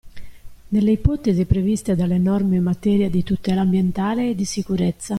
Nelle ipotesi previste dalle norme in materia di tutela ambientale e di sicurezza.